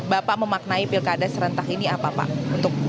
bapak memaknai pilkada serentak ini apa pak